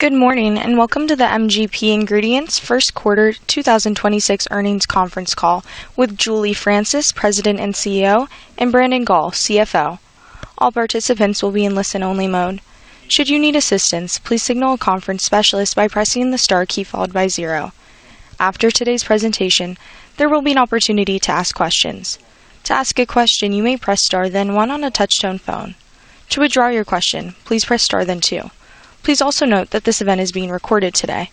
Good morning, and welcome to the MGP Ingredients first quarter 2026 earnings conference call with Julie Francis, President and CEO, and Brandon Gall, CFO. All participants will be in listen-only mode. Should you need assistance, please signal a conference specialist by pressing the star key followed by zero. After today's presentation, there will be an opportunity to ask questions. To ask a question, you may press star then one on a touch-tone phone. To withdraw your question, please press star then two. Please also note that this event is being recorded today.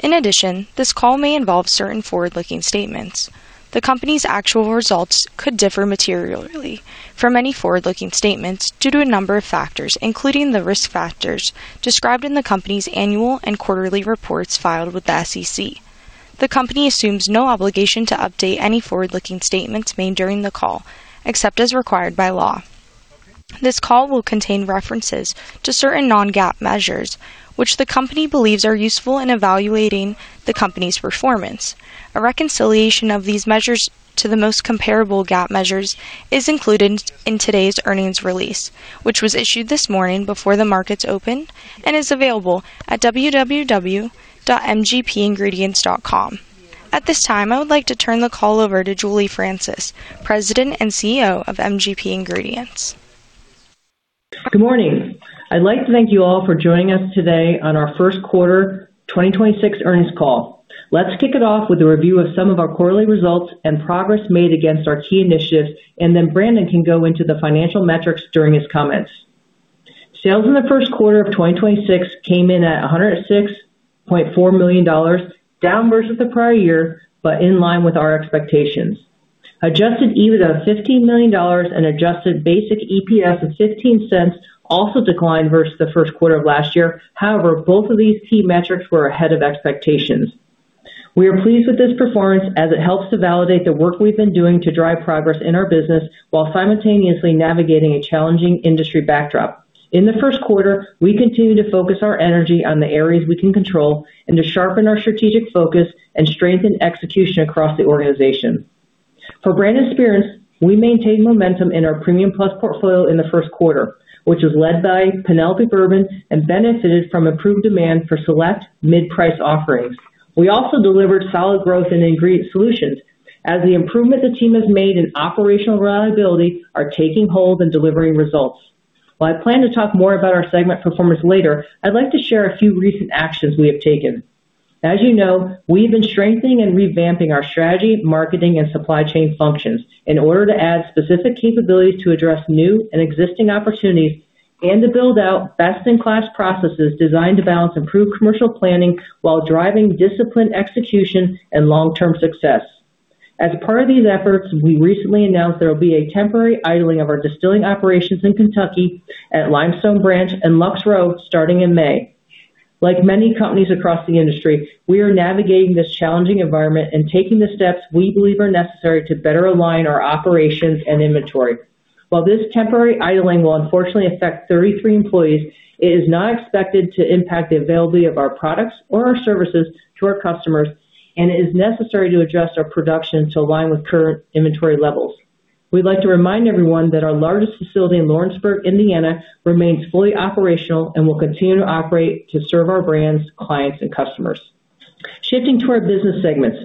In addition, this call may involve certain forward-looking statements. The company's actual results could differ materially from any forward-looking statements due to a number of factors, including the risk factors described in the company's annual and quarterly reports filed with the SEC. The company assumes no obligation to update any forward-looking statements made during the call, except as required by law. This call will contain references to certain non-GAAP measures, which the company believes are useful in evaluating the company's performance. A reconciliation of these measures to the most comparable GAAP measures is included in today's earnings release, which was issued this morning before the markets opened and is available at www.mgpingredients.com. At this time, I would like to turn the call over to Julie Francis, President and CEO of MGP Ingredients. Good morning. I'd like to thank you all for joining us today on our first quarter 2026 earnings call. Let's kick it off with a review of some of our quarterly results and progress made against our key initiatives. Brandon can go into the financial metrics during his comments. Sales in the first quarter of 2026 came in at $106.4 million, down versus the prior year, in line with our expectations. Adjusted EBITDA of $15 million and adjusted basic EPS of $0.15 also declined versus the first quarter of last year. However, both of these key metrics were ahead of expectations. We are pleased with this performance as it helps to validate the work we've been doing to drive progress in our business while simultaneously navigating a challenging industry backdrop. In the first quarter, we continued to focus our energy on the areas we can control and to sharpen our strategic focus and strengthen execution across the organization. For Branded Spirits, we maintained momentum in our premium plus portfolio in the first quarter, which was led by Penelope Bourbon and benefited from improved demand for select mid-price offerings. We also delivered solid growth in Ingredient Solutions as the improvements the team has made in operational reliability are taking hold and delivering results. While I plan to talk more about our segment performance later, I'd like to share a few recent actions we have taken. As you know, we've been strengthening and revamping our strategy, marketing, and supply chain functions in order to add specific capabilities to address new and existing opportunities and to build out best-in-class processes designed to balance improved commercial planning while driving disciplined execution and long-term success. As part of these efforts, we recently announced there will be a temporary idling of our distilling operations in Kentucky at Limestone Branch and Lux Row starting in May. Like many companies across the industry, we are navigating this challenging environment and taking the steps we believe are necessary to better align our operations and inventory. While this temporary idling will unfortunately affect 33 employees, it is not expected to impact the availability of our products or our services to our customers and is necessary to adjust our production to align with current inventory levels. We'd like to remind everyone that our largest facility in Lawrenceburg, Indiana, remains fully operational and will continue to operate to serve our brands, clients, and customers. Shifting to our business segments.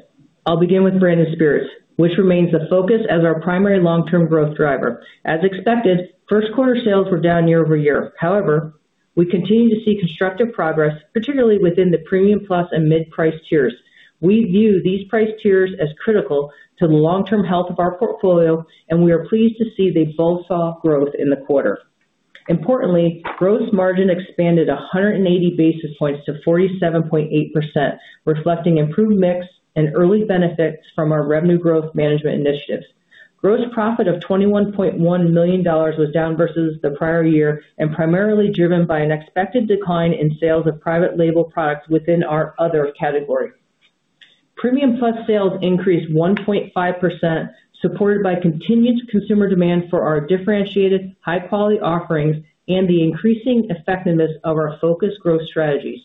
I'll begin with Branded Spirits, which remains the focus as our primary long-term growth driver. As expected, first quarter sales were down year-over-year. However, we continue to see constructive progress, particularly within the premium plus and mid-price tiers. We view these price tiers as critical to the long-term health of our portfolio, and we are pleased to see they both saw growth in the quarter. Importantly, gross margin expanded 180 basis points to 47.8%, reflecting improved mix and early benefits from our revenue growth management initiatives. Gross profit of $21.1 million was down versus the prior year and primarily driven by an expected decline in sales of private label products within our other category. Premium plus sales increased 1.5%, supported by continued consumer demand for our differentiated high-quality offerings and the increasing effectiveness of our focused growth strategies.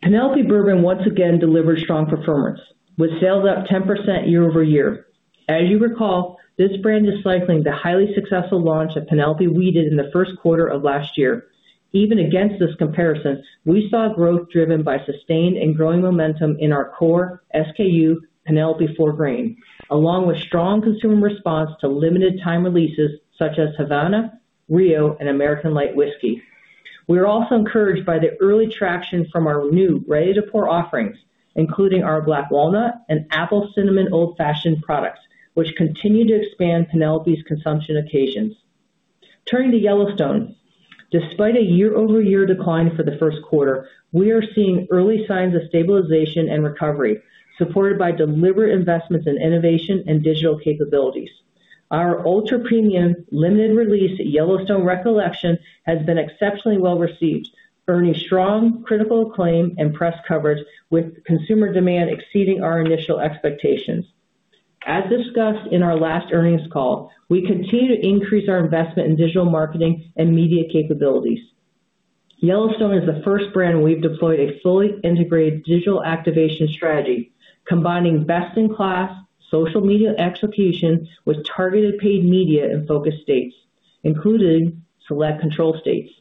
Penelope Bourbon once again delivered strong performance with sales up 10% year-over-year. As you recall, this brand is cycling the highly successful launch of Penelope Wheated in the first quarter of last year. Even against this comparison, we saw growth driven by sustained and growing momentum in our core SKU, Penelope Four Grain, along with strong consumer response to limited time releases such as Havana, Rio, and American Light Whiskey. We are also encouraged by the early traction from our new ready-to-pour offerings, including our Black Walnut and Apple Cinnamon Old Fashioned products, which continue to expand Penelope's consumption occasions. Turning to Yellowstone. Despite a year-over-year decline for the first quarter, we are seeing early signs of stabilization and recovery, supported by deliberate investments in innovation and digital capabilities. Our ultra-premium limited release, Yellowstone Recollection, has been exceptionally well received, earning strong critical acclaim and press coverage, with consumer demand exceeding our initial expectations. As discussed in our last earnings call, we continue to increase our investment in digital marketing and media capabilities. Yellowstone is the first brand we've deployed a fully integrated digital activation strategy, combining best-in-class social media execution with targeted paid media in focus states. Including select control states.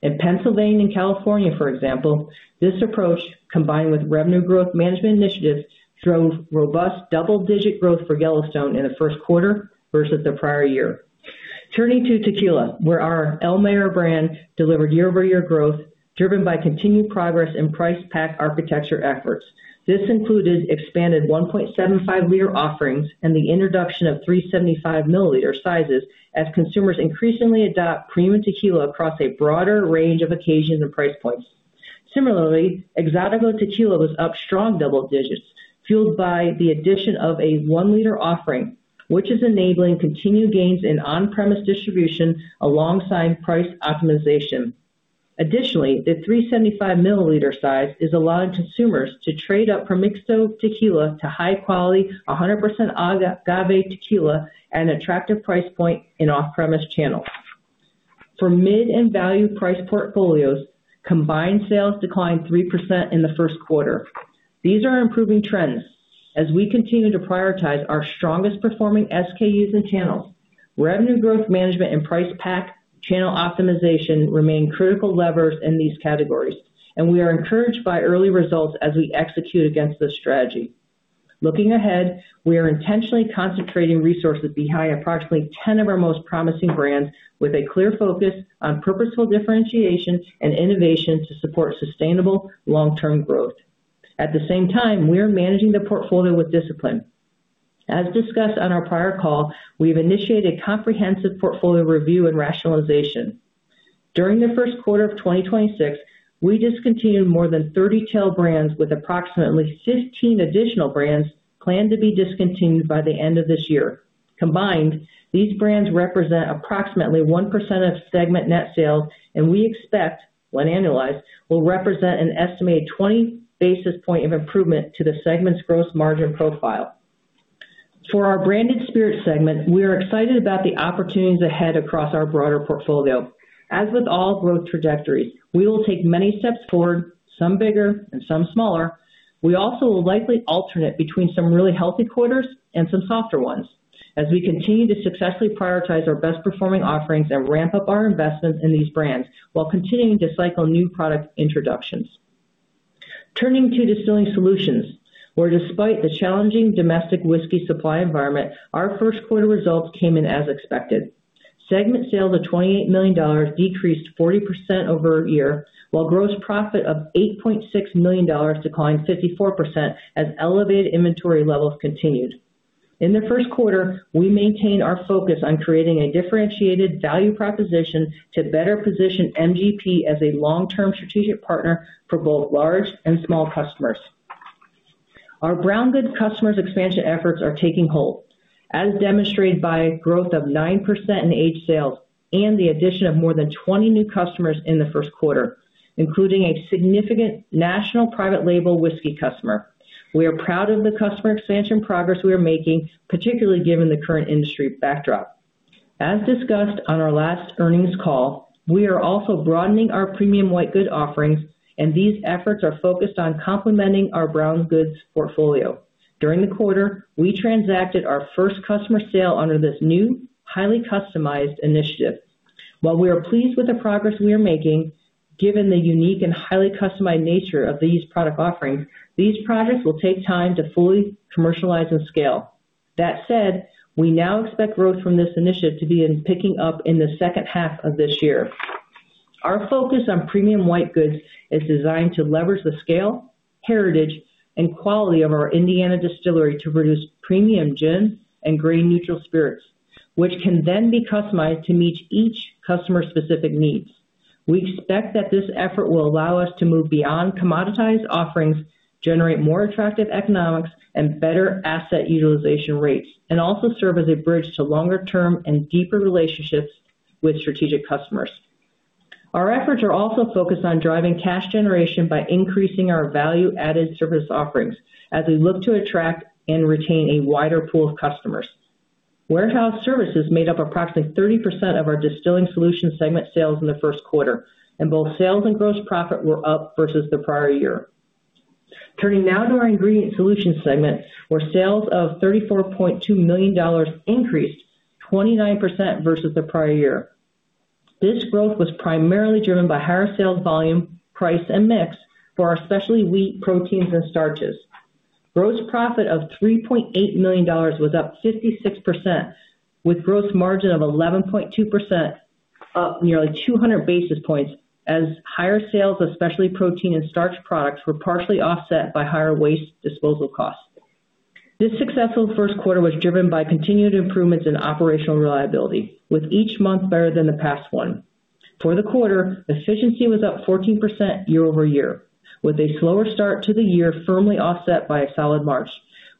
In Pennsylvania and California, for example, this approach, combined with revenue growth management initiatives, drove robust double-digit growth for Yellowstone in the first quarter versus the prior year. Turning to tequila, where our El Mayor brand delivered year-over-year growth, driven by continued progress in price pack architecture efforts. This included expanded 1.75 liter offerings and the introduction of 375 milliliter sizes as consumers increasingly adopt premium tequila across a broader range of occasions and price points. Similarly, Exotico Tequila was up strong double digits, fueled by the addition of a 1 liter offering, which is enabling continued gains in on-premise distribution alongside price optimization. Additionally, the 375 milliliter size is allowing consumers to trade up from mixto tequila to high quality, 100% agave tequila at an attractive price point in off-premise channels. For mid and value price portfolios, combined sales declined 3% in the first quarter. These are improving trends as we continue to prioritize our strongest performing SKUs and channels. Revenue growth management and Price pack channel optimization remain critical levers in these categories, and we are encouraged by early results as we execute against this strategy. Looking ahead, we are intentionally concentrating resources behind approximately 10 of our most promising brands with a clear focus on purposeful differentiation and innovation to support sustainable long-term growth. At the same time, we are managing the portfolio with discipline. As discussed on our prior call, we've initiated comprehensive portfolio review and rationalization. During the first quarter of 2026, we discontinued more than 30 tail brands with approximately 15 additional brands planned to be discontinued by the end of this year. Combined, these brands represent approximately 1% of segment net sales and we expect when annualized, will represent an estimated 20 basis points of improvement to the segment's gross margin profile. For our Branded Spirits segment, we are excited about the opportunities ahead across our broader portfolio. As with all growth trajectories, we will take many steps forward, some bigger and some smaller. We also will likely alternate between some really healthy quarters and some softer ones as we continue to successfully prioritize our best performing offerings and ramp up our investments in these brands while continuing to cycle new product introductions. Turning to Distilling Solutions, where despite the challenging domestic whiskey supply environment, our first quarter results came in as expected. Segment sales of $28 million decreased 40% over a year, while gross profit of $8.6 million declined 54% as elevated inventory levels continued. In the first quarter, we maintained our focus on creating a differentiated value proposition to better position MGP as a long-term strategic partner for both large and small customers. Our brown goods customers expansion efforts are taking hold, as demonstrated by growth of 9% in age sales and the addition of more than 20 new customers in the first quarter, including a significant national private label whiskey customer. We are proud of the customer expansion progress we are making, particularly given the current industry backdrop. As discussed on our last earnings call, we are also broadening our premium white good offerings. These efforts are focused on complementing our brown goods portfolio. During the quarter, we transacted our first customer sale under this new, highly customized initiative. While we are pleased with the progress we are making, given the unique and highly customized nature of these product offerings, these projects will take time to fully commercialize and scale. That said, we now expect growth from this initiative to be in picking up in the second half of this year. Our focus on premium white goods is designed to leverage the scale, heritage, and quality of our Indiana distillery to produce premium gin and grain-neutral spirits, which can then be customized to meet each customer's specific needs. We expect that this effort will allow us to move beyond commoditized offerings, generate more attractive economics and better asset utilization rates, and also serve as a bridge to longer term and deeper relationships with strategic customers. Our efforts are also focused on driving cash generation by increasing our value-added service offerings as we look to attract and retain a wider pool of customers. Warehouse services made up approximately 30% of our Distilling Solutions segment sales in the first quarter, and both sales and gross profit were up versus the prior year. Turning now to our Ingredient Solutions segment, where sales of $34.2 million increased 29% versus the prior year. This growth was primarily driven by higher sales volume, price, and mix for our specialty wheat proteins and starches. Gross profit of $3.8 million was up 56%, with gross margin of 11.2% up nearly 200 basis points as higher sales of specialty protein and starch products were partially offset by higher waste disposal costs. This successful first quarter was driven by continued improvements in operational reliability with each month better than the past one. For the quarter, efficiency was up 14% year-over-year, with a slower start to the year firmly offset by a solid March.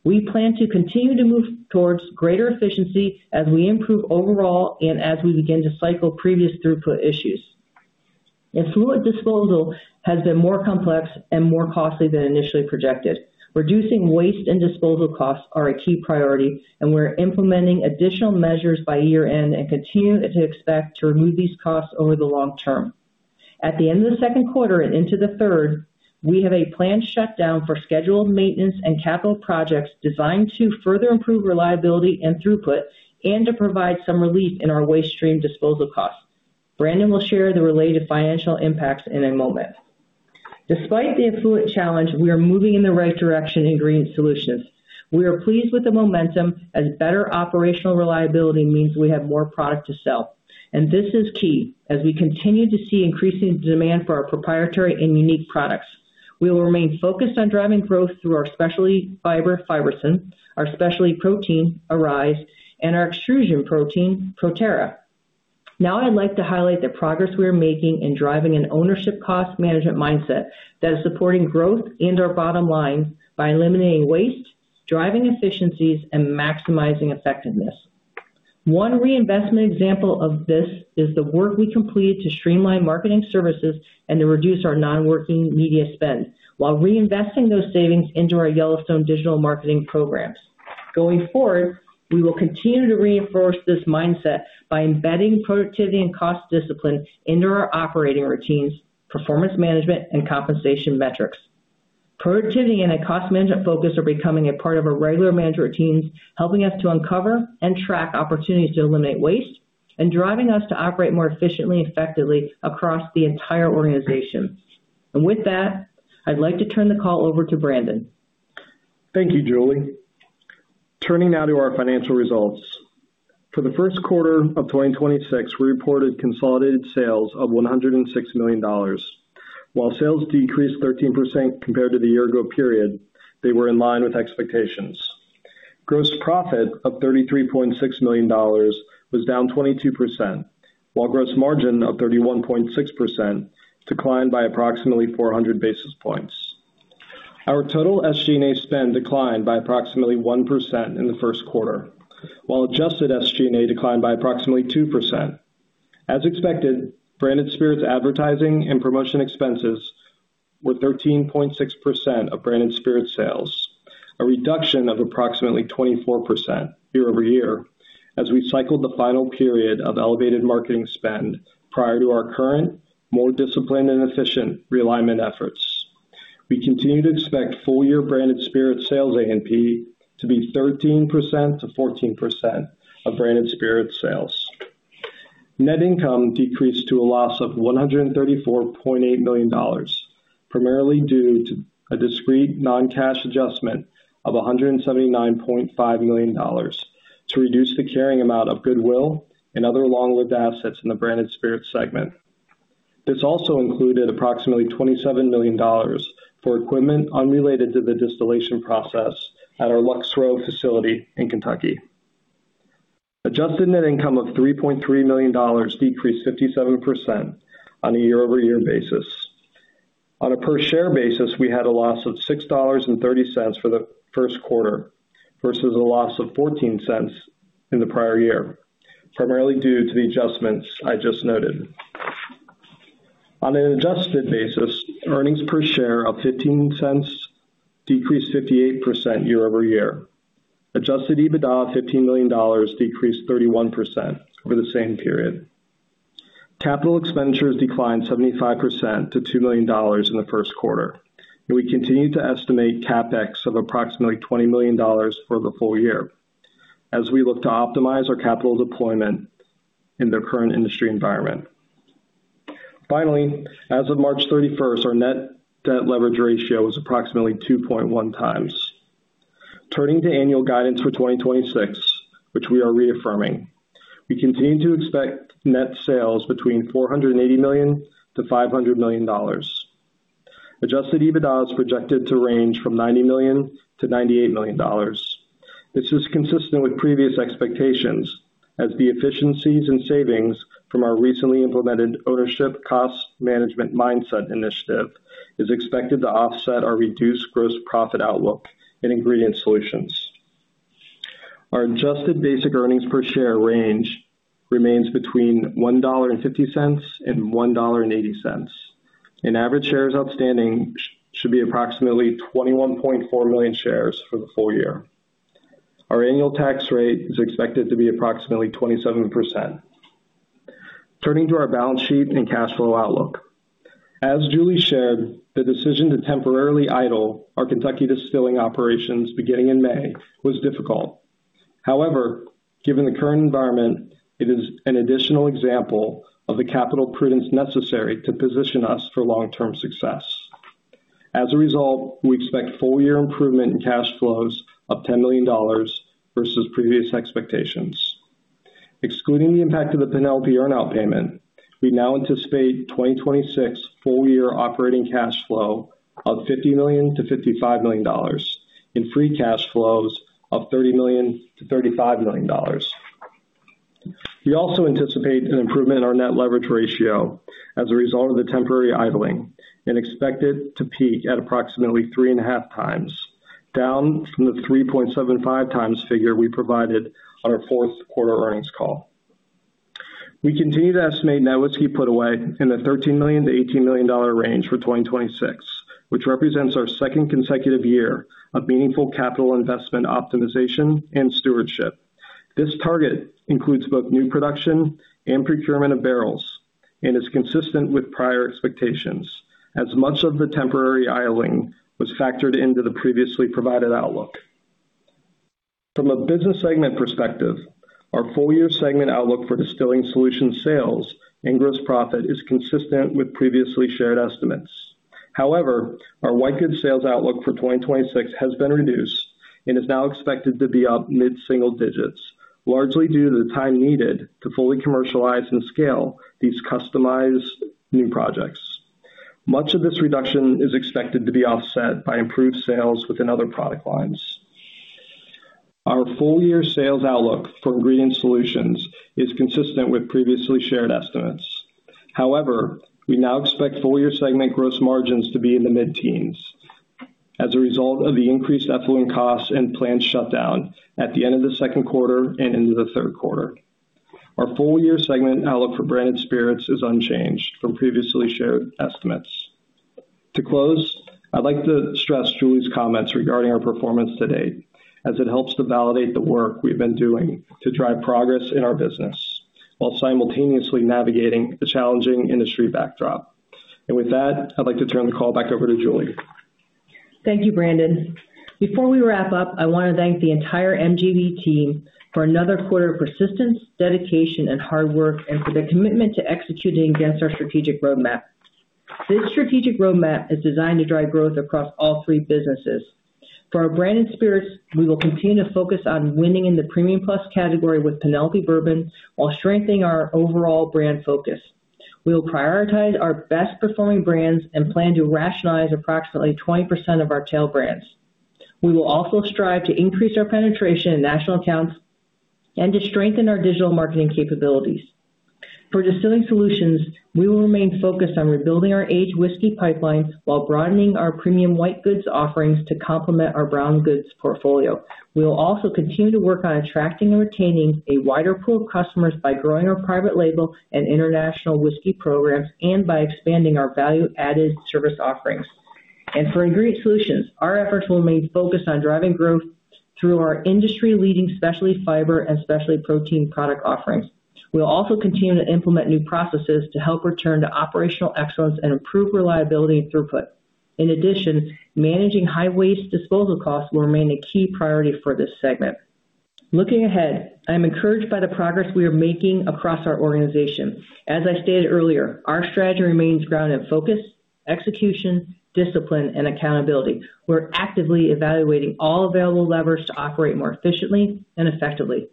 We plan to continue to move towards greater efficiency as we improve overall and as we begin to cycle previous throughput issues. Fluid disposal has been more complex and more costly than initially projected. Reducing waste and disposal costs are a key priority, and we're implementing additional measures by year end and continue to expect to remove these costs over the long term. At the end of the second quarter and into the third, we have a planned shutdown for scheduled maintenance and capital projects designed to further improve reliability and throughput, and to provide some relief in our waste stream disposal costs. Brandon will share the related financial impacts in a moment. Despite the effluent challenge, we are moving in the right direction in Ingredient Solutions. We are pleased with the momentum as better operational reliability means we have more product to sell. This is key as we continue to see increasing demand for our proprietary and unique products. We will remain focused on driving growth through our specialty fiber, Fibersym, our specialty protein, Arise, and our extrusion protein, ProTerra. I'd like to highlight the progress we are making in driving a Cost Ownership management mindset that is supporting growth and our bottom line by eliminating waste, driving efficiencies, and maximizing effectiveness. One reinvestment example of this is the work we completed to streamline marketing services and to reduce our non-working media spend while reinvesting those savings into our Yellowstone digital marketing programs. Going forward, we will continue to reinforce this mindset by embedding productivity and cost discipline into our operating routines, performance management, and compensation metrics. Productivity and a cost management focus are becoming a part of our regular management routines, helping us to uncover and track opportunities to eliminate waste and driving us to operate more efficiently and effectively across the entire organization. With that, I'd like to turn the call over to Brandon. Thank you, Julie. Turning now to our financial results. For the first quarter of 2026, we reported consolidated sales of $106 million. While sales decreased 13% compared to the year-ago period, they were in line with expectations. Gross profit of $33.6 million was down 22%, while gross margin of 31.6% declined by approximately 400 basis points. Our total SG&A spend declined by approximately 1% in the first quarter, while adjusted SG&A declined by approximately 2%. As expected, Branded Spirits advertising and promotion expenses were 13.6% of branded spirit sales, a reduction of approximately 24% year-over-year as we cycled the final period of elevated marketing spend prior to our current, more disciplined and efficient realignment efforts. We continue to expect full-year branded spirit sales A&P to be 13%-14% of branded spirit sales. Net income decreased to a loss of $134.8 million, primarily due to a discrete non-cash adjustment of $179.5 million to reduce the carrying amount of goodwill and other long-lived assets in the Branded Spirits segment. This also included approximately $27 million for equipment unrelated to the distillation process at our Lux Row facility in Kentucky. Adjusted net income of $3.3 million decreased 57% on a year-over-year basis. On a per share basis, we had a loss of $6.30 for the first quarter versus a loss of $0.14 in the prior year, primarily due to the adjustments I just noted. On an adjusted basis, earnings per share of $0.15 decreased 58% year-over-year. Adjusted EBITDA of $15 million decreased 31% over the same period. Capital expenditures declined 75% to $2 million in the first quarter, and we continue to estimate CapEx of approximately $20 million for the full year as we look to optimize our capital deployment in the current industry environment. Finally, as of March 31st, our net debt leverage ratio was approximately 2.1x. Turning to annual guidance for 2026, which we are reaffirming, we continue to expect net sales between $480 million-$500 million. Adjusted EBITDA is projected to range from $90 million-$98 million. This is consistent with previous expectations as the efficiencies and savings from our recently implemented Cost Ownership mindset initiative is expected to offset our reduced gross profit outlook in Ingredient Solutions. Our adjusted basic earnings per share range remains between $1.50 and $1.80, and average shares outstanding should be approximately 21.4 million shares for the full year. Our annual tax rate is expected to be approximately 27%. Turning to our balance sheet and cash flow outlook. As Julie shared, the decision to temporarily idle our Kentucky distilling operations beginning in May was difficult. However, given the current environment, it is an additional example of the capital prudence necessary to position us for long-term success. As a result, we expect full-year improvement in cash flows of $10 million versus previous expectations. Excluding the impact of the Penelope earn out payment, we now anticipate 2026 full-year operating cash flow of $50 million-$55 million and free cash flows of $30 million-$35 million. We also anticipate an improvement in our net leverage ratio as a result of the temporary idling and expect it to peak at approximately 3.5x, down from the 3.75x figure we provided on our fourth quarter earnings call. We continue to estimate net whiskey put away in the $13 million-$18 million range for 2026, which represents our second consecutive year of meaningful capital investment optimization and stewardship. This target includes both new production and procurement of barrels and is consistent with prior expectations, as much of the temporary idling was factored into the previously provided outlook. From a business segment perspective, our full-year segment outlook for Distilling Solutions sales and gross profit is consistent with previously shared estimates. However, our white goods sales outlook for 2026 has been reduced and is now expected to be up mid-single digits, largely due to the time needed to fully commercialize and scale these customized new projects. Much of this reduction is expected to be offset by improved sales within other product lines. Our full-year sales outlook for Ingredient Solutions is consistent with previously shared estimates. However, we now expect full-year segment gross margins to be in the mid-teens as a result of the increased effluent costs and plant shutdown at the end of the second quarter and into the third quarter. Our full-year segment outlook for Branded Spirits is unchanged from previously shared estimates. To close, I'd like to stress Julie's comments regarding our performance to date as it helps to validate the work we've been doing to drive progress in our business while simultaneously navigating the challenging industry backdrop. With that, I'd like to turn the call back over to Julie. Thank you, Brandon. Before we wrap up, I wanna thank the entire MGP team for another quarter of persistence, dedication and hard work, and for their commitment to executing against our strategic roadmap. This strategic roadmap is designed to drive growth across all three businesses. For our Branded Spirits, we will continue to focus on winning in the premium plus category with Penelope Bourbon while strengthening our overall brand focus. We will prioritize our best performing brands and plan to rationalize approximately 20% of our tail brands. We will also strive to increase our penetration in national accounts and to strengthen our digital marketing capabilities. For Distilling Solutions, we will remain focused on rebuilding our aged whiskey pipelines while broadening our premium white goods offerings to complement our brown goods portfolio. We will also continue to work on attracting and retaining a wider pool of customers by growing our private label and international whiskey programs and by expanding our value-added service offerings. For Ingredient Solutions, our efforts will remain focused on driving growth through our industry-leading specialty fiber and specialty protein product offerings. We'll also continue to implement new processes to help return to operational excellence and improve reliability and throughput. In addition, managing high waste disposal costs will remain a key priority for this segment. Looking ahead, I'm encouraged by the progress we are making across our organization. As I stated earlier, our strategy remains grounded in focus, execution, discipline, and accountability. We're actively evaluating all available levers to operate more efficiently and effectively.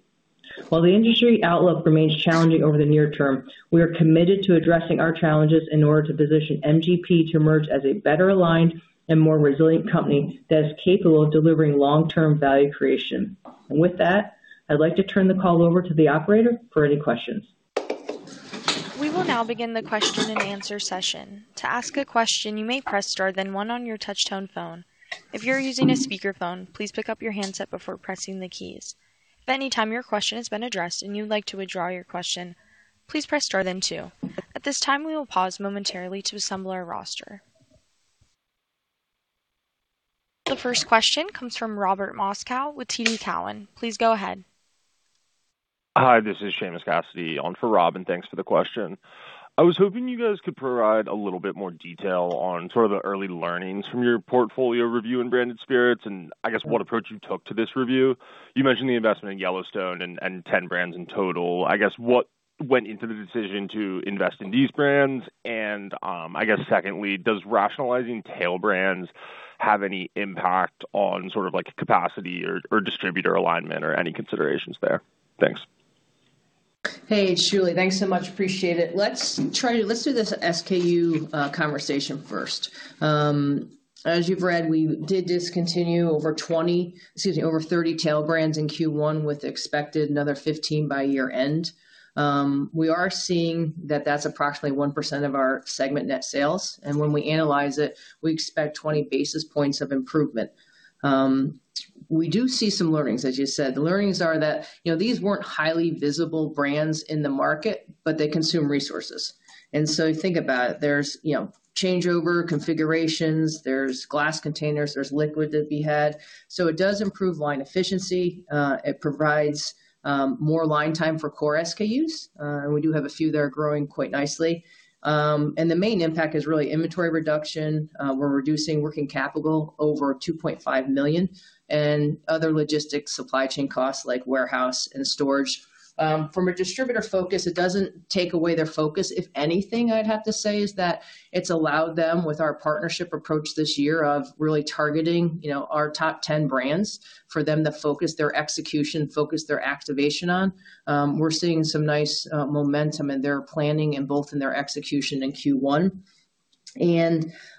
While the industry outlook remains challenging over the near term, we are committed to addressing our challenges in order to position MGP to emerge as a better aligned and more resilient company that is capable of delivering long-term value creation. With that, I'd like to turn the call over to the operator for any questions. The first question comes from Robert Moskow with TD Cowen. Please go ahead. Hi, this is Seamus Cassidy on for Rob, and thanks for the question. I was hoping you guys could provide a little bit more detail on sort of the early learnings from your portfolio review in Branded Spirits, and I guess what approach you took to this review. You mentioned the investment in Yellowstone and ten brands in total. What went into the decision to invest in these brands? Secondly, does rationalizing tail brands have any impact on sort of like capacity or distributor alignment or any considerations there? Thanks. Hey, it's Julie. Thanks so much. Appreciate it. Let's do this SKU conversation first. As you've read, we did discontinue over 30 tail brands in Q1 with expected another 15 by year end. We are seeing that that's approximately 1% of our segment net sales, and when we analyze it, we expect 20 basis points of improvement. We do see some learnings, as you said. The learnings are that, you know, these weren't highly visible brands in the market, but they consume resources. Think about it, there's, you know, changeover configurations, there's glass containers, there's liquid that we had. It does improve line efficiency. It provides more line time for core SKUs. We do have a few that are growing quite nicely. The main impact is really inventory reduction. We're reducing working capital over $2.5 million and other logistics supply chain costs like warehouse and storage. From a distributor focus, it doesn't take away their focus. If anything, I'd have to say is that it's allowed them with our partnership approach this year of really targeting, you know, our top 10 brands for them to focus their execution, focus their activation on. We're seeing some nice momentum in their planning and both in their execution in Q1.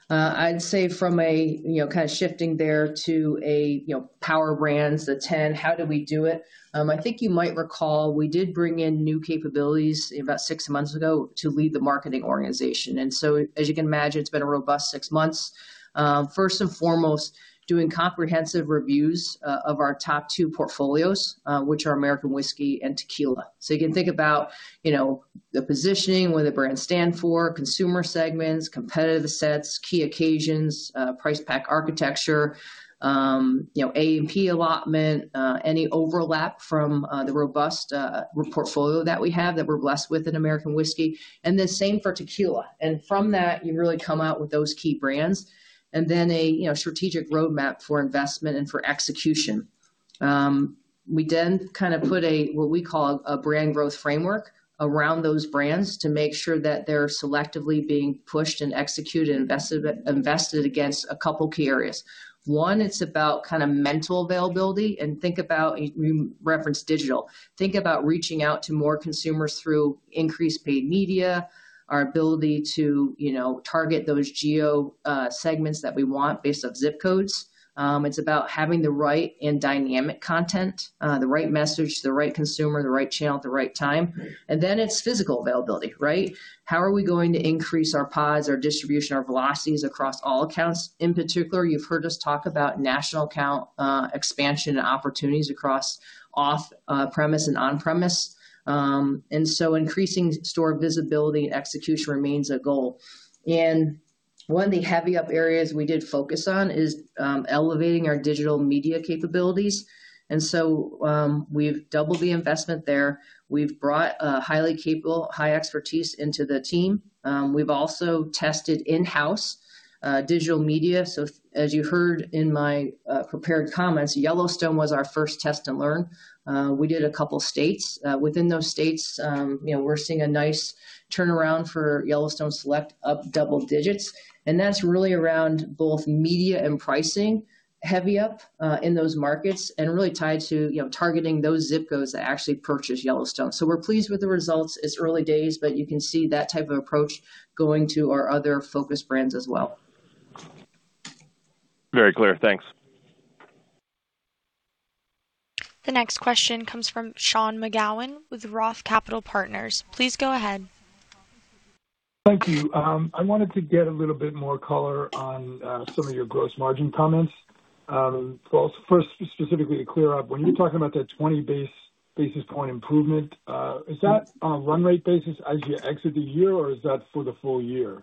I'd say from a, you know, kind of shifting there to a, you know, power brands, the 10, how do we do it? I think you might recall, we did bring in new capabilities about six months ago to lead the marketing organization. As you can imagine, it's been a robust six months. First and foremost, doing comprehensive reviews of our top two portfolios, which are American Whiskey and Tequila. You can think about, you know, the positioning, what the brands stand for, consumer segments, competitive sets, key occasions, price pack architecture. You know, A&P allotment, any overlap from the robust re-portfolio that we have, that we're blessed with in American Whiskey. The same for Tequila. From that, you really come out with those key brands. Then a, you know, strategic roadmap for investment and for execution. We then kind of put a, what we call a brand growth framework around those brands to make sure that they're selectively being pushed and executed, invested against a couple key areas. One, it's about kind of mental availability. Think about, and you referenced digital. Think about reaching out to more consumers through increased paid media, our ability to, you know, target those geo segments that we want based off zip codes. It's about having the right and dynamic content, the right message to the right consumer, the right channel at the right time. It's physical availability, right? How are we going to increase our pods, our distribution, our velocities across all accounts? In particular, you've heard us talk about national account expansion and opportunities across off premise and on-premise. Increasing store visibility and execution remains a goal. One of the heavy up areas we did focus on is elevating our digital media capabilities. We've doubled the investment there. We've brought a highly capable, high expertise into the team. We've also tested in-house digital media. As you heard in my prepared comments, Yellowstone was our first test and learn. We did a couple of states. Within those states, you know, we're seeing a nice turnaround for Yellowstone Select up double digits. That's really around both media and pricing, heavy up in those markets and really tied to, you know, targeting those zip codes that actually purchase Yellowstone. We're pleased with the results. It's early days, but you can see that type of approach going to our other focus brands as well. Very clear. Thanks. The next question comes from Sean McGowan with Roth Capital Partners. Please go ahead. Thank you. I wanted to get a little bit more color on some of your gross margin comments. Well, first, specifically to clear up, when you're talking about that 20 basis point improvement, is that on a run rate basis as you exit the year, or is that for the full year?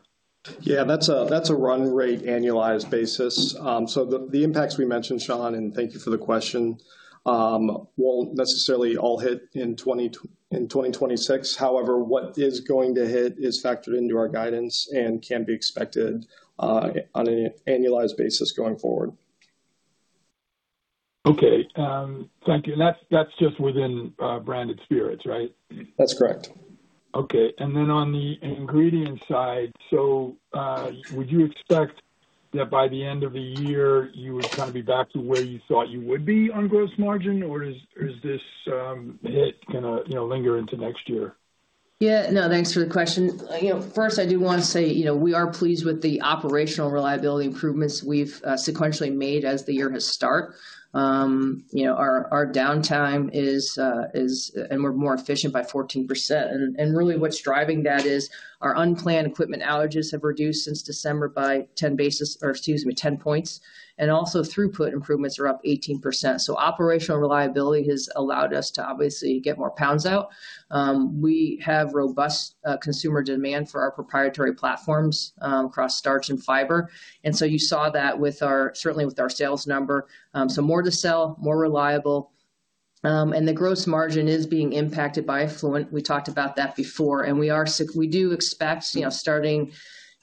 Yeah, that's a run rate annualized basis. The impacts we mentioned, Sean, and thank you for the question, won't necessarily all hit in 2026. However, what is going to hit is factored into our guidance and can be expected on an annualized basis going forward. Okay, thank you. That's just within Branded Spirits, right? That's correct. Okay. On the ingredient side, so, would you expect that by the end of the year, you would kind of be back to where you thought you would be on gross margin? Or is this hit gonna, you know, linger into next year? Yeah, no, thanks for the question. You know, first, I do wanna say, you know, we are pleased with the operational reliability improvements we've sequentially made as the year has start. You know, our downtime is more efficient by 14%. Really what's driving that is our unplanned equipment outages have reduced since December by 10 points. Also throughput improvements are up 18%. Operational reliability has allowed us to obviously get more pounds out. We have robust consumer demand for our proprietary platforms across starch and fiber. You saw that with our, certainly with our sales number. More to sell, more reliable. The gross margin is being impacted by effluent. We talked about that before, we do expect, you know, starting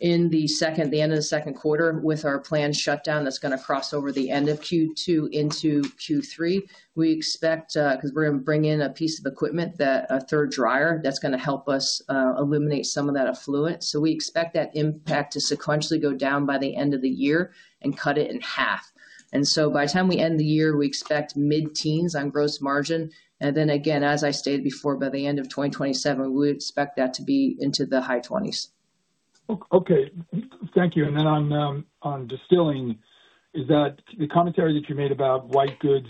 in the second, the end of the second quarter with our planned shutdown that's gonna cross over the end of Q2 into Q3. We expect, 'cause we're gonna bring in a piece of equipment that, a third dryer, that's gonna help us eliminate some of that effluent. We expect that impact to sequentially go down by the end of the year and cut it in half. By the time we end the year, we expect mid-teens on gross margin. Again, as I stated before, by the end of 2027, we would expect that to be into the high 20s. Okay, thank you. Then on distilling, is that the commentary that you made about white goods,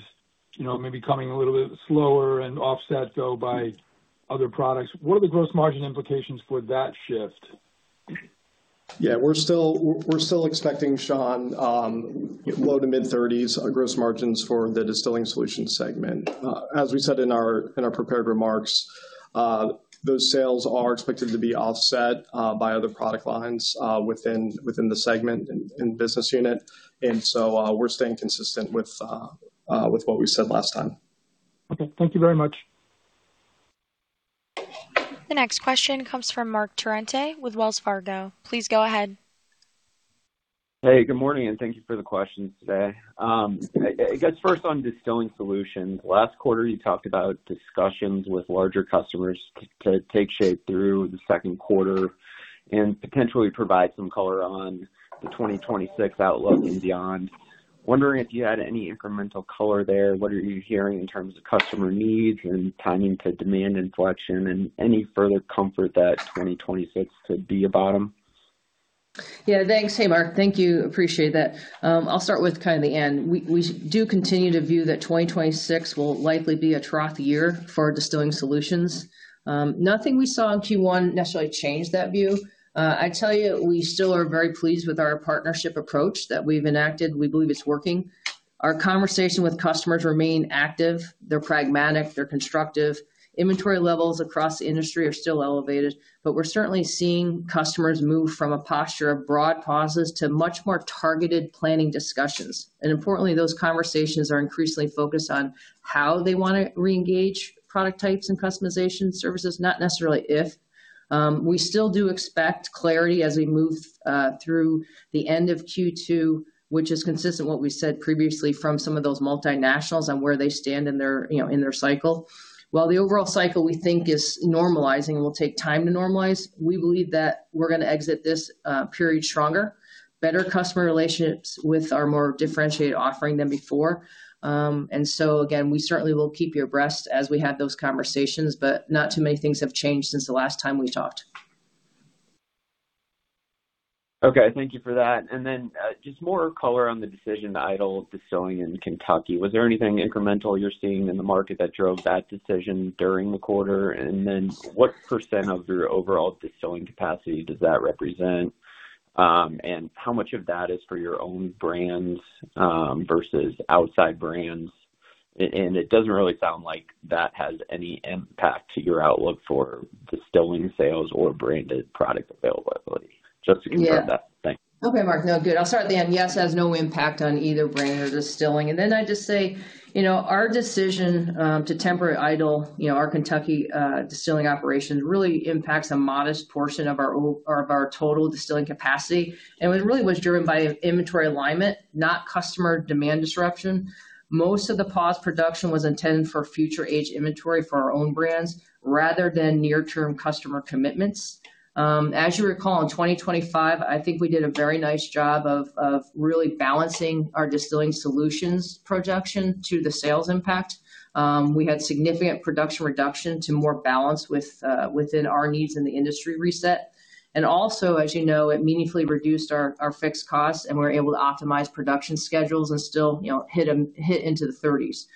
you know, maybe coming a little bit slower and offset though by other products, what are the gross margin implications for that shift? Yeah, we're still expecting, Sean, low to mid-30s gross margins for the Distilling Solutions segment. As we said in our prepared remarks, those sales are expected to be offset by other product lines within the segment and business unit. We're staying consistent with what we said last time. Okay. Thank you very much. The next question comes from Marc Torrente with Wells Fargo. Please go ahead. Hey, good morning, and thank you for the questions today. I guess first on Distilling Solutions, last quarter you talked about discussions with larger customers to take shape through the second quarter and potentially provide some color on the 2026 outlook and beyond. Wondering if you had any incremental color there. What are you hearing in terms of customer needs and timing to demand inflection and any further comfort that 2026 could be a bottom? Yeah, thanks. Hey, Marc Torrente. Thank you. Appreciate that. I'll start with kinda the end. We do continue to view that 2026 will likely be a trough year for Distilling Solutions. Nothing we saw in Q1 necessarily changed that view. I tell you, we still are very pleased with our partnership approach that we've enacted. We believe it's working. Our conversation with customers remain active. They're pragmatic, they're constructive. Inventory levels across the industry are still elevated, but we're certainly seeing customers move from a posture of broad pauses to much more targeted planning discussions. Importantly, those conversations are increasingly focused on how they wanna reengage product types and customization services, not necessarily if. We still do expect clarity as we move through the end of Q2, which is consistent what we said previously from some of those multinationals on where they stand in their, you know, in their cycle. While the overall cycle, we think, is normalizing and will take time to normalize, we believe that we're gonna exit this period stronger, better customer relationships with our more differentiated offering than before. Again, we certainly will keep you abreast as we have those conversations, but not too many things have changed since the last time we talked. Okay. Thank you for that. Just more color on the decision to idle distilling in Kentucky. Was there anything incremental you're seeing in the market that drove that decision during the quarter? What percent of your overall distilling capacity does that represent? How much of that is for your own brands versus outside brands? It doesn't really sound like that has any impact to your outlook for distilling sales or branded product availability. Just to confirm that. Thanks. Yeah. Okay, Marc. No, good. I'll start at the end. Yes, it has no impact on either brand or distilling. I'd just say, you know, our decision to temporarily idle, you know, our Kentucky distilling operations really impacts a modest portion of our or of our total distilling capacity. It really was driven by inventory alignment, not customer demand disruption. Most of the paused production was intended for future age inventory for our own brands rather than near term customer commitments. As you recall, in 2025, I think we did a very nice job of really balancing our Distilling Solutions production to the sales impact. We had significant production reduction to more balance within our needs in the industry reset. Also, as you know, it meaningfully reduced our fixed costs, and we're able to optimize production schedules and still, you know, hit into the 30s.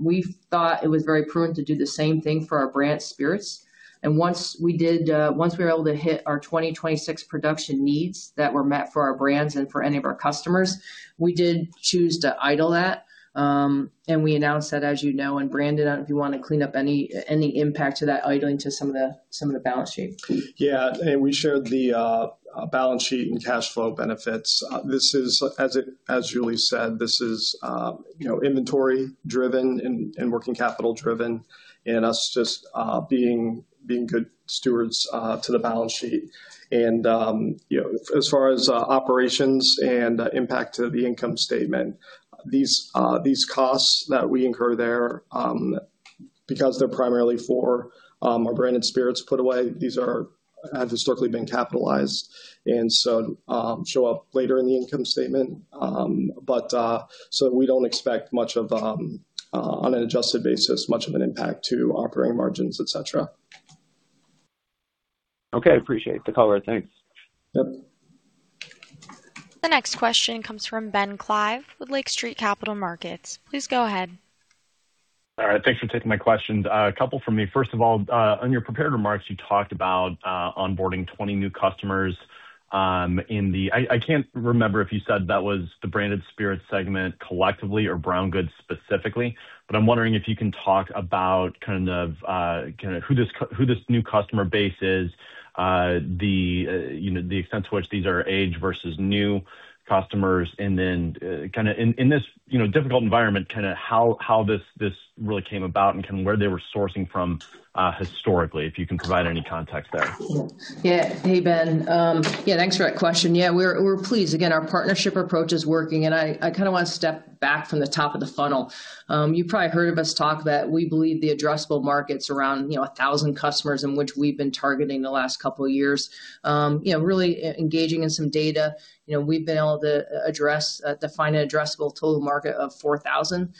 We thought it was very prudent to do the same thing for our Branded Spirits. Once we did, once we were able to hit our 2026 production needs that were met for our brands and for any of our customers, we did choose to idle that. We announced that, as you know, and Brandon, if you want to clean up any impact to that idling to some of the balance sheet. Yeah. We shared the balance sheet and cash flow benefits. As Julie said, this is, you know, inventory driven and working capital driven, and us just being good stewards to the balance sheet. You know, as far as operations and impact to the income statement, these costs that we incur there, because they're primarily for our Branded Spirits put away, have historically been capitalized, show up later in the income statement. We don't expect much of on an adjusted basis, much of an impact to operating margins, et cetera. Okay. Appreciate the color. Thanks. Yep. The next question comes from Ben Klieve with Lake Street Capital Markets. Please go ahead. All right. Thanks for taking my questions. A couple from me. First of all, on your prepared remarks, you talked about onboarding 20 new customers in the... I can't remember if you said that was the Branded Spirits segment collectively or brown goods specifically, but I'm wondering if you can talk about kind of who this new customer base is, the, you know, the extent to which these are aged versus new customers. Then, kinda in this, you know, difficult environment, kinda how this really came about and kind of where they were sourcing from historically, if you can provide any context there. Hey, Ben Klieve. Thanks for that question. We're, we're pleased. Our partnership approach is working, and I kinda wanna step back from the top of the funnel. You probably heard of us talk that we believe the addressable market's around, you know, 1,000 customers in which we've been targeting the last couple of years. You know, really engaging in some data. We've been able to address, define an addressable total market of 4,000.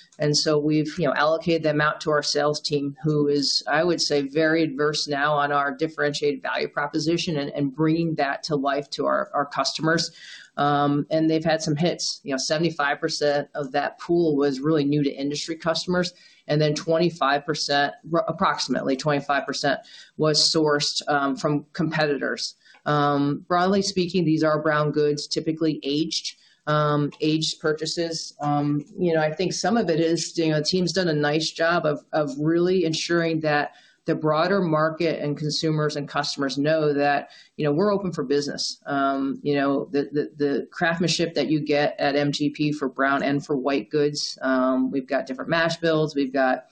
We've, you know, allocated them out to our sales team, who is, I would say, very adverse now on our differentiated value proposition and bringing that to life to our customers. They've had some hits. You know, 75% of that pool was really new to industry customers, and then 25%, approximately 25% was sourced from competitors. Broadly speaking, these are brown goods, typically aged purchases. You know, I think some of it is, you know, the team's done a nice job of really ensuring that the broader market and consumers and customers know that, you know, we're open for business. You know, the craftsmanship that you get at MGP for brown and for white goods, we've got different mash bills, we've got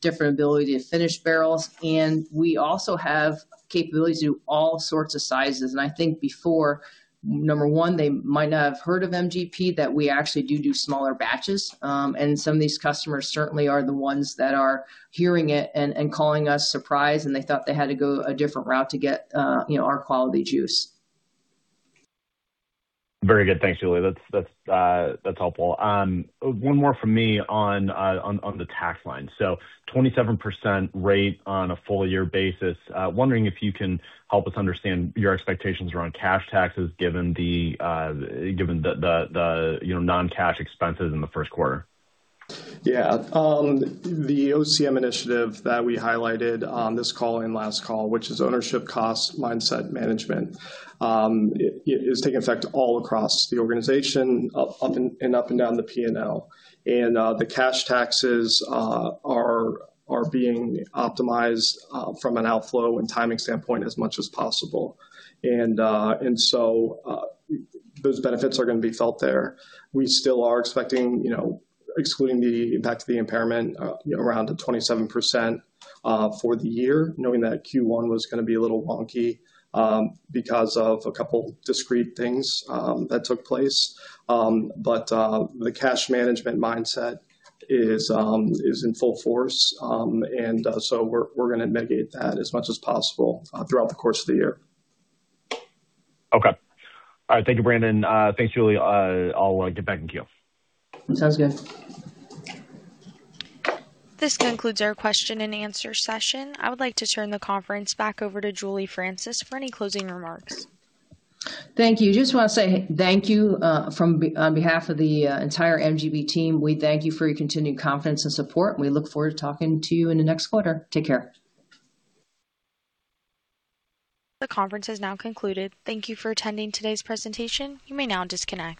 different ability to finish barrels, and we also have capabilities to do all sorts of sizes. I think before, number one, they might not have heard of MGP, that we actually do smaller batches. Some of these customers certainly are the ones that are hearing it and calling us surprised, and they thought they had to go a different route to get, you know, our quality juice. Very good. Thanks, Julie. That's, that's helpful. One more from me on the tax line. 27% rate on a full year basis. Wondering if you can help us understand your expectations around cash taxes given the, you know, non-cash expenses in the first quarter. Yeah. The OCM initiative that we highlighted on this call and last call, which is ownership cost mindset management, it is taking effect all across the organization, up and down the P&L. The cash taxes are being optimized from an outflow and timing standpoint as much as possible. Those benefits are gonna be felt there. We still are expecting, you know, excluding the impact of the impairment, you know, around the 27% for the year, knowing that Q1 was gonna be a little wonky because of a couple discrete things that took place. The cash management mindset is in full force. We're gonna mitigate that as much as possible throughout the course of the year. Okay. All right. Thank you, Brandon. Thanks, Julie. I'll get back in queue. Sounds good. This concludes our question and answer session. I would like to turn the conference back over to Julie Francis for any closing remarks. Thank you. Just wanna say thank you on behalf of the entire MGP team, we thank you for your continued confidence and support. We look forward to talking to you in the next quarter. Take care. The conference has now concluded. Thank you for attending today's presentation. You may now disconnect.